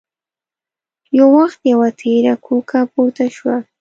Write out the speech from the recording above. يو وخت يوه تېره کوکه پورته شوه.